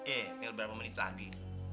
eh tinggal berapa menit lagi